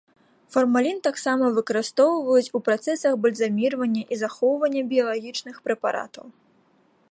Фармалін таксама выкарыстоўваюць ў працэсах бальзаміравання і захоўвання біялагічных прэпаратаў.